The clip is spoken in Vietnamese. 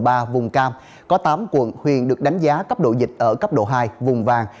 cấp độ ba vùng cam có tám quận huyện được đánh giá cấp độ dịch ở cấp độ hai vùng vàng